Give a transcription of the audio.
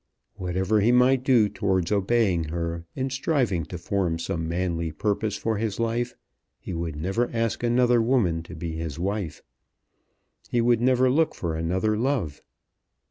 Whatever he might do towards obeying her in striving to form some manly purpose for his life, he would never ask another woman to be his wife, he would never look for other love.